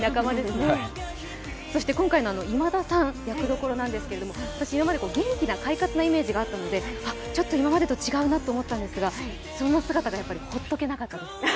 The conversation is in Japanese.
そして、今回今田さんの役どころなんですが、私、今まで元気な快活なイメージがあったので、ちょっといままでと違うなと思ったんですが、その姿が放っておけなかったです。